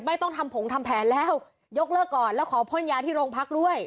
ไม่ต้องทำผงทำแผนแล้วยกเลิกก่อนแล้วขอพ่นยาที่โรงพักด้วย